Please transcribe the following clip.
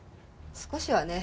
少しはね。